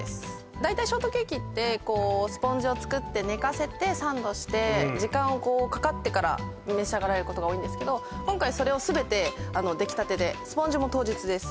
大体ショートケーキってこうスポンジを作って寝かせてサンドして時間をこうかかってから召し上がることが多いんですけどスポンジも当日です